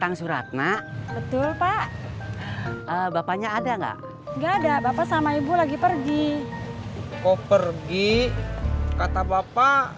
kang suratna betul pak bapaknya ada enggak enggak ada bapak sama ibu lagi pergi kau pergi kata bapak